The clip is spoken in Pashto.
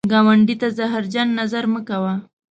ګاونډي ته زهرجن نظر مه کوه